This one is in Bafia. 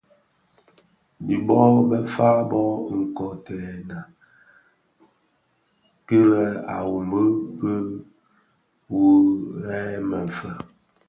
Dhi bō be fa bo kidhotèna kil è wambue pi: wō ghèè më fe?